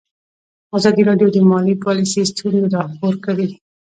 ازادي راډیو د مالي پالیسي ستونزې راپور کړي.